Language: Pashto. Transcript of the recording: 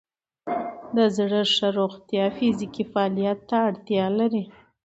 د زړه ښه روغتیا فزیکي فعالیت ته اړتیا لري.